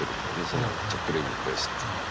そのチャック・レイニーのベースっていうのは。